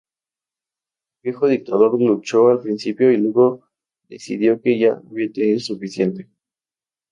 El viejo dictador luchó al principio y luego decidió que ya había tenido suficiente.